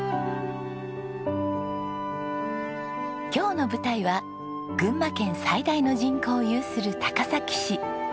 今日の舞台は群馬県最大の人口を有する高崎市。